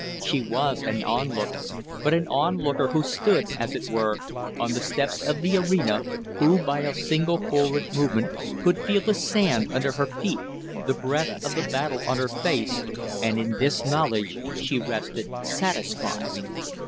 She was an on looker but an on looker who stood, as it were, on the steps of the arena, who, by a single forward movement, could feel the sand under her feet, the breath of the battle on her face; and in this knowledge she rested satisfied.